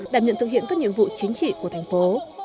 đảm nhận thực hiện các nhiệm vụ chính trị của thành phố